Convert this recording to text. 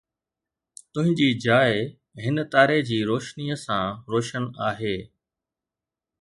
تنهنجي جاءِ هن تاري جي روشنيءَ سان روشن آهي